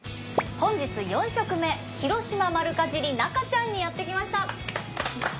本日４食目『ひろしま丸かじり中ちゃん』にやって来ました！